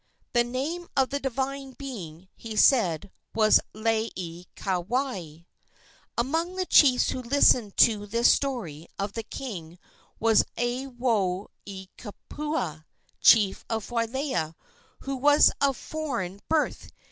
The name of the divine being, he said, was Laieikawai. Among the chiefs who listened to this story of the king was Aiwohikupua, chief of Wailua, who was of foreign birth.